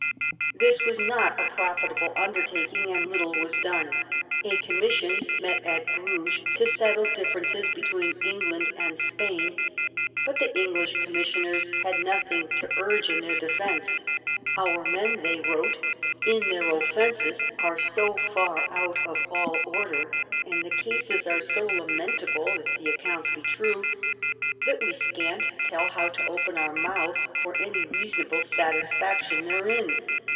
This was. not a profitable undertaking and little was done. A Commission met at Bruges to settle differ ences between England < and Spain ; but the English commissioners had nothing to urge in their defence. no QUEEN ELIZABETH. " Our men," they wrote, " in their offences are so far out of all order, and the cases are so lamentable, if the accounts be true, that we scant tell how to open our mouths for any reasonable satisfaction therein."